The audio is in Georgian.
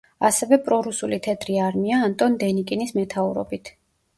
ასევე პრო-რუსული თეთრი არმია, ანტონ დენიკინის მეთაურობით.